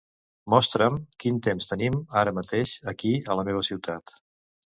Mostra'm quin temps tenim ara mateix aquí a la meva ciutat.